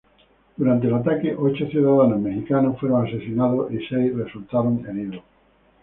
Durante el ataque, ocho ciudadanos mexicanos fueron asesinados y seis resultaron heridos.